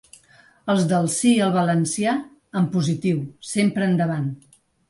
Els del ‘sí al valencià’, en positiu, sempre endavant.